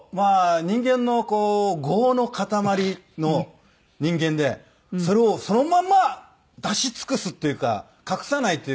人間の業の塊の人間でそれをそのまま出し尽くすっていうか隠さないという。